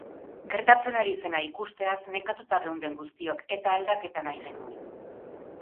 Gertatzen ari zena ikusteaz nekatuta geunden guztiok, eta aldaketa nahi genuen.